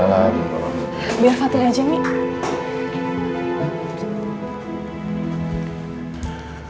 assalamualaikum waalaikumsalam waalaikumsalam biar fatih aja nih